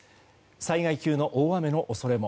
災害級の大雨の恐れも。